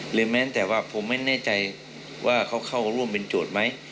แม้แต่ว่าผมไม่แน่ใจว่าเขาเข้าร่วมเป็นโจทย์ไหม